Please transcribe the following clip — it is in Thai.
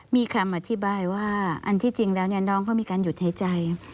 มีคำอธิบายว่าอันที่จริงแล้วน้องเขามีการหยุดหายใจ